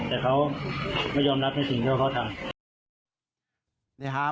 แต่เขาไม่ยอมรับในสิ่งที่เขาทำ